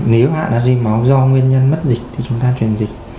nếu hạ nát ri máu do nguyên nhân mất dịch thì chúng ta truyền dịch